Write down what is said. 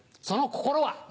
その心は。